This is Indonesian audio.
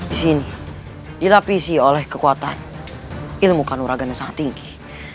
di sini dilapisi oleh kekuatan ilmu kanuragan yang sangat tinggi